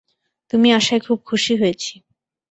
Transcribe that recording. তুমি আসায় খুব খুশি হয়েছি।